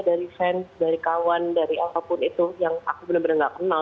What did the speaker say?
dari fans dari kawan dari apapun itu yang aku bener bener gak kenal